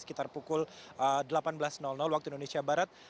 sekitar pukul delapan belas waktu indonesia barat